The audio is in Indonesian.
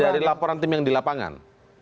temuan ini dari laporan tim yang di lapangan